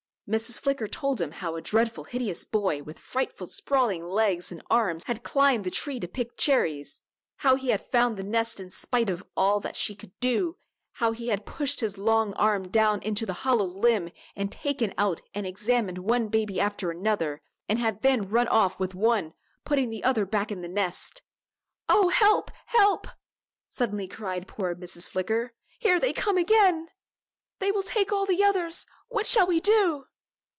Mrs. Flicker told him how a dreadful, hideous boy, with frightful sprawling legs and arms had climbed the tree to pick cherries how he had found the nest in spite of all that she could do how he had pushed his long arm down into the hollow limb and taken out and examined one baby after another, and had then run off with one, putting the others back in the nest. "Oh, help! help!" suddenly cried poor Mrs. Flicker, "here they come again! They will take all the others. What shall we do?"